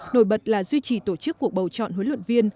nổi bật là duy trì tổ chức cuộc bầu chọn huấn luyện viên